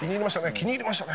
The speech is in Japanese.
気に入りましたね